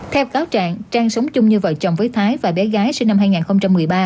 theo cáo trạng trang sống chung như vợ chồng với thái và bé gái sinh năm hai nghìn một mươi ba